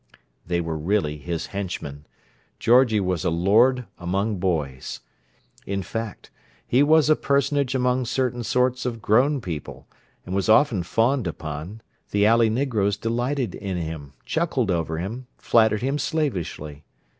They were really his henchmen: Georgie was a lord among boys. In fact, he was a personage among certain sorts of grown people, and was often fawned upon; the alley negroes delighted in him, chuckled over him, flattered him slavishly.